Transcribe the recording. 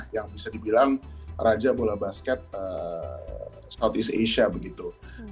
yang bisa dibilang raja bola basket southeast asia begitu